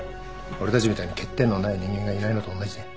俺たちみたいに欠点のない人間がいないのとおんなじだ。